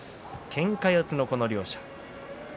けんか四つの両者。